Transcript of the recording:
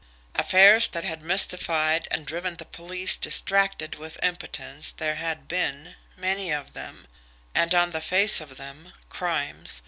Affairs that had mystified and driven the police distracted with impotence there had been, many of them; and on the face of them crimes.